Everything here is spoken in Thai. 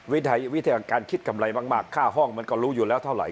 วิธีการคิดกำไรมากค่าห้องมันก็รู้อยู่แล้วเท่าไห